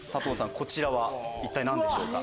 こちらは一体何でしょうか？